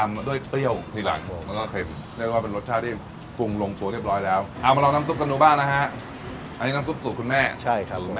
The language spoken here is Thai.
อันนี้น้ำซุปสูตรคุณแม่นะฮะคุณแม่นะฮะใช่ครับ